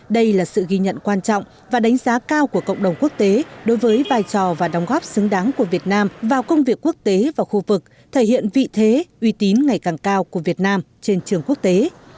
đây là sự ghi nhận quan trọng và đánh giá cao của cộng đồng quốc tế đối với vai trò và đóng góp xứng đáng của việt nam vào công việc quốc tế và khu vực thể hiện vị thế uy tín ngày càng cao của việt nam trên trường quốc tế